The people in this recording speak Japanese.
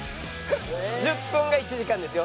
１０分が１時間ですよ。